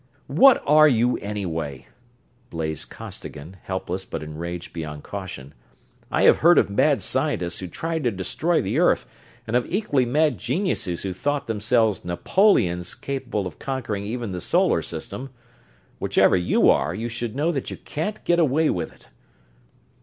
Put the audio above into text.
"What are you, anyway?" blazed Costigan, helpless but enraged beyond caution. "I have heard of mad scientists who tried to destroy the earth, and of equally mad geniuses who thought themselves Napoleons capable of conquering even the Solar System. Whichever you are, you should know that you can't get away with it."